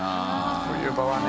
冬場はね